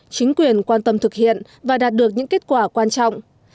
chính quyền quan tâm thực hiện và đạt được những kết quả quan trọng